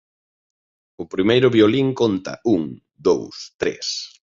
O primeiro violín conta un, dous, tres....